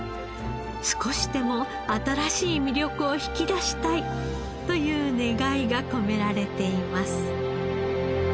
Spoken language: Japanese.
「少しでも新しい魅力を引き出したい」という願いが込められています。